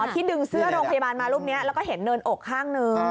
ที่ดึงเสื้อโรงพยาบาลมารูปนี้แล้วก็เห็นเนินอกข้างหนึ่ง